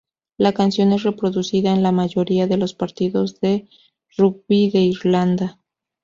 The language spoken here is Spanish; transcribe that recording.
La canción es reproducida en la mayoría de los partidos en Rugby de Irlanda.